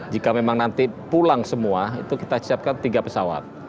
jika memang nanti pulang semua itu kita siapkan tiga pesawat